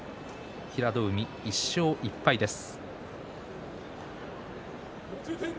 平戸海、１勝１敗です。